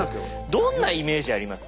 どんなイメージあります？